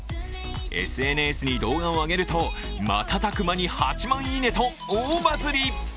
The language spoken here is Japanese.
ＳＮＳに動画を上げると瞬く間に８万いいねと大バズり。